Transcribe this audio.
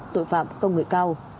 tội phạm công người cao